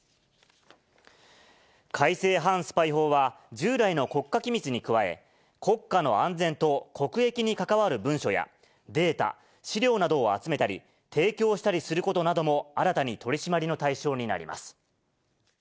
改正反スパイ法は、従来の国家機密に加え、国家の安全と国益にかかわる文書や、データ、資料などを集めたり、提供したりすることなども新たに取締りの対象になります。